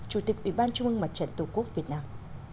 chủ tịch ủy ban trung ương mặt trận tổ quốc việt nam